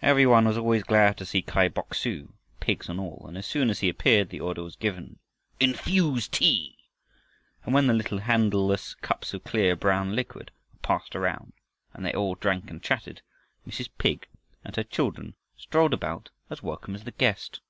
Every one was always glad to see Kai Bok su, pigs and all, and as soon as he appeared the order was given "Infuse tea." And when the little handleless cups of clear brown liquid were passed around and they all drank and chatted, Mrs. Pig and her children strolled about as welcome as the guest.